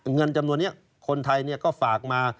เงินจำนวนนี้คนไทยก็ฝากมา